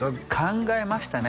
考えましたね